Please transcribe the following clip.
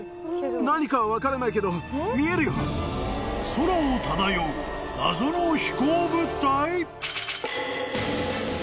［空を漂う謎の飛行物体！？］